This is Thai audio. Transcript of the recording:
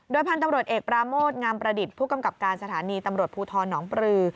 พันธุ์ตำรวจเอกปราโมทงามประดิษฐ์ผู้กำกับการสถานีตำรวจภูทรหนองปลือ